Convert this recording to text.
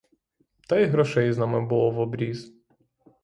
Та й грошей з нами було в обріз.